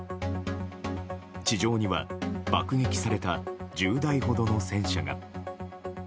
地上には爆撃された１０台ほどの戦車が。